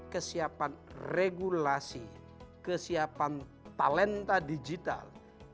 kesiapan regulasi kesiapan talenta digital